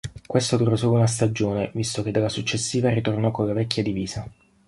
Questo durò solo una stagione, visto che dalla successiva ritornò con la vecchia divisa.